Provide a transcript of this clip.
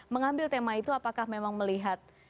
mengambil tema itu apakah memang melihat